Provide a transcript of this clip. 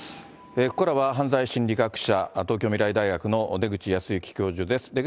ここからは犯罪心理学者、東京未来大学の出口保行教授です。